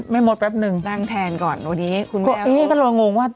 แม่มดแป๊บนึงนั่งแทนก่อนวันนี้คุณแก้วก็เอ๊ะก็ลองงงว่า